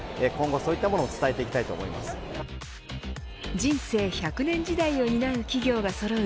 人生１００年時代を担う企業がそろう